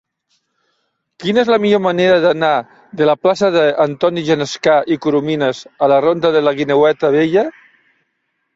Quina és la millor manera d'anar de la plaça d'Antoni Genescà i Corominas a la ronda de la Guineueta Vella?